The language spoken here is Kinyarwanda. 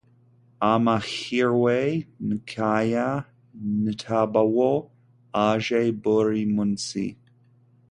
Amahirwe nkaya ntabwo aje buri munsi.